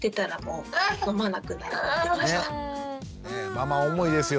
ママ思いですよ